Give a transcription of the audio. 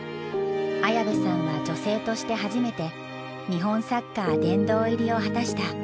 綾部さんは女性として初めて「日本サッカー殿堂入り」を果たした。